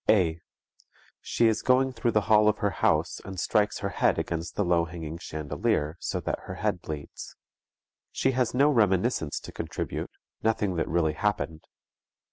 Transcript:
(a). "_She it going through the hall of her house and strikes her head against the low hanging chandelier, so that her head bleeds._" She has no reminiscence to contribute, nothing that really happened.